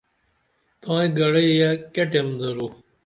تائیں گڑئی یہ کیہ ٹیم درو؟